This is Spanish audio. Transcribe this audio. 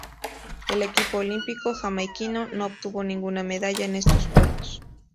El equipo olímpico jamaiquino no obtuvo ninguna medalla en estos Juegos.